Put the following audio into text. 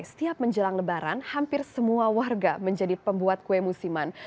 setiap menjelang lebaran hampir semua warga menjadi pembuat kue musiman